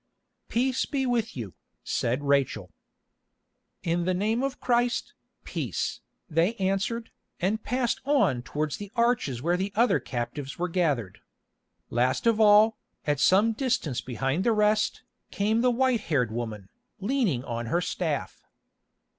"Peace be with you," said Rachel. "In the name of Christ, peace," they answered, and passed on towards the arches where the other captives were gathered. Last of all, at some distance behind the rest, came the white haired woman, leaning on her staff.